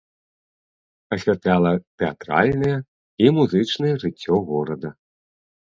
Асвятляла тэатральнае і музычнае жыццё горада.